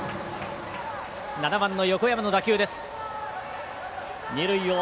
７番、横山の打球です。